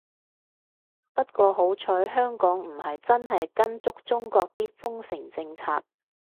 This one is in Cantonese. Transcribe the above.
不過好彩香港唔係真係跟足中國啲封城政策